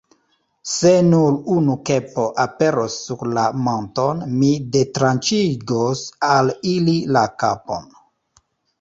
Se nur unu kepo aperos sur la monton, mi detranĉigos al ili la kapon.